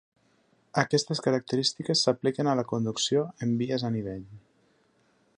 Aquestes característiques s'apliquen a la conducció en vies a nivell.